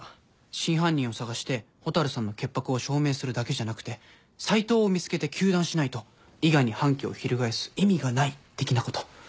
真犯人を捜して蛍さんの潔白を証明するだけじゃなくて斉藤を見つけて糾弾しないと伊賀に反旗を翻す意味がない的なこと。